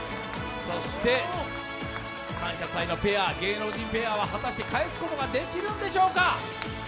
そして「感謝祭」の芸能人ペアは果たして返すことができるんでしょうか？